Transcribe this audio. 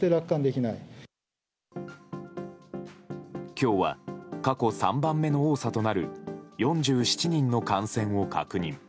今日は、過去３番目の多さとなる４７人の感染を確認。